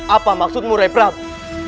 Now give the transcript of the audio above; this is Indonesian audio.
apa maksudmu rai prabu